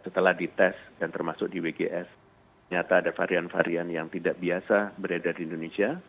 setelah dites dan termasuk di wgs ternyata ada varian varian yang tidak biasa beredar di indonesia